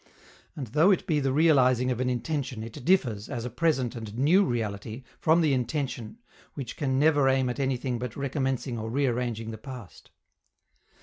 And though it be the realizing of an intention, it differs, as a present and new reality, from the intention, which can never aim at anything but recommencing or rearranging the past.